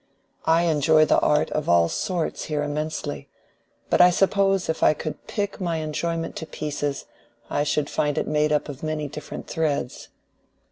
I enjoy the art of all sorts here immensely; but I suppose if I could pick my enjoyment to pieces I should find it made up of many different threads.